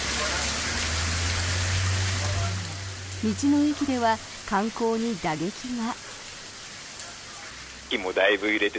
道の駅では観光に打撃が。